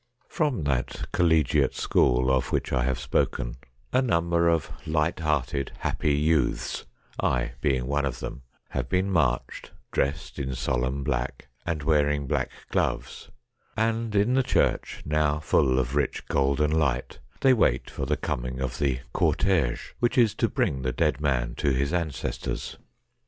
From that Collegiate School of which I have spoken a number of light hearted, happy youths, I being one of them, have been marched, dressed in solemn black, and wearing black gloves, and in the church, now full of rich, golden light, they wait for the coming of the cortege which is to bring the dead man to his ancestors.